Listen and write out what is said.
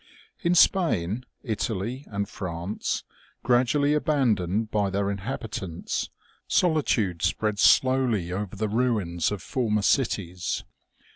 In Spain, Italy and France, gradually abandoned by their inhabitants, solitude spread slowly over the ruins of former cities.